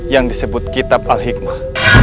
yang disebut kitab al hikmah